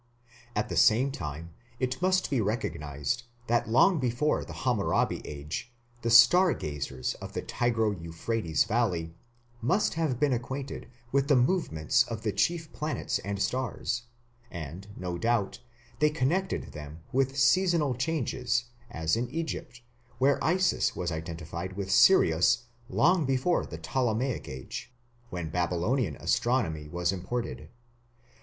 At the same time it must be recognized that long before the Hammurabi age the star gazers of the Tigro Euphrates valley must have been acquainted with the movements of the chief planets and stars, and, no doubt, they connected them with seasonal changes as in Egypt, where Isis was identified with Sirius long before the Ptolemaic age, when Babylonian astronomy was imported.